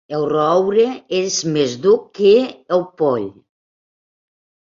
El roure és més dur que el poll.